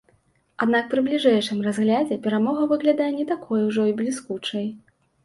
Аднак пры бліжэйшым разглядзе перамога выглядае не такой ужо і бліскучай.